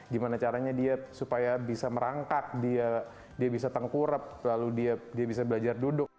gimana caranya dia supaya bisa merangkak dia bisa tengkurep lalu dia bisa belajar duduk